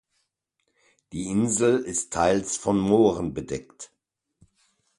Die Insel ist teils von Mooren bedeckt.